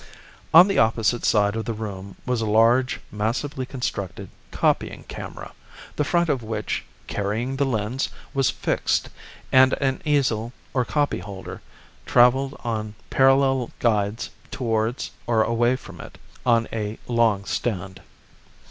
On the opposite side of the room was a large, massively constructed copying camera, the front of which, carrying the lens, was fixed, and an easel or copyholder travelled on parallel guides towards, or away, from it, on a long stand.